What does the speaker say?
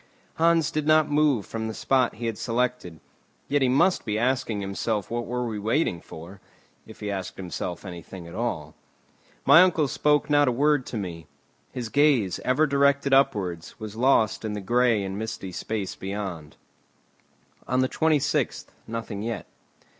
Hans did not move from the spot he had selected; yet he must be asking himself what were we waiting for, if he asked himself anything at all. My uncle spoke not a word to me. His gaze, ever directed upwards, was lost in the grey and misty space beyond. On the 26th nothing yet.